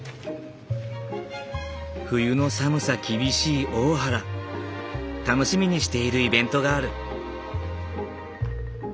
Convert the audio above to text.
冬の寒さ厳しい大原楽しみにしているイベントがある。